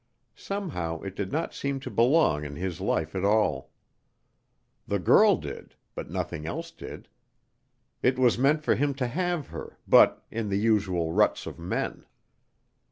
Somehow it did not seem to belong in his life at all. The girl did, but nothing else did. It was meant for him to have her, but in the usual ruts of men.